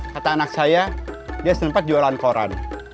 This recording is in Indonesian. kata anak saya dia sempat jualan koran